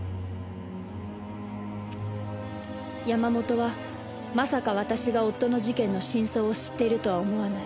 山本はまさか私が夫の事件の真相を知っているとは思わない。